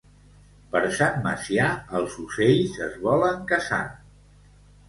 Per Sant Macià els ocells es volen casar.